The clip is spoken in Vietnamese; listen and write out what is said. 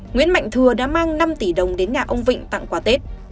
nguyễn mạnh thừa đã mang năm tỷ đồng đến nhà ông vịnh tặng quà tết